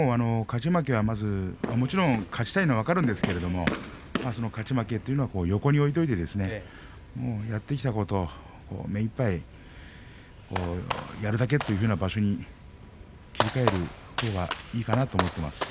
もちろん勝ちたいのは分かるんですけども勝ち負けというのは横に置いておいてやってきたことを目いっぱいやるだけという場所にしたほうがいいかなと思ってます。